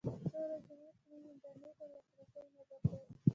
څو ورځې مخکې موږ انټرنېټ ته لاسرسی نه درلود.